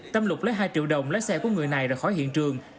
tâm lục lấy hai triệu đồng lấy xe của người này ra khỏi hiện trường